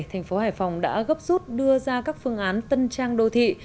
thành phố hải phòng đã gấp rút đưa ra các phương án tân trang đô thị